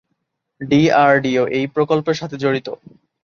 DRDO এই প্রকল্পের সাথে জড়িত।